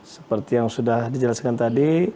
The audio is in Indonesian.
seperti yang sudah dijelaskan tadi